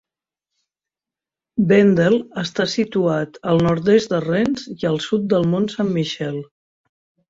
Vendel està situat al nord-est de Rennes i al sud del Mont Saint-Michel.